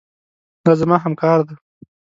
دا زما همکار دی.